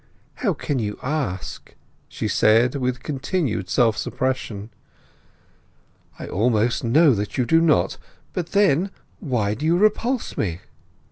"How can you ask?" she said, with continued self suppression. "I almost know that you do not. But then, why do you repulse me?"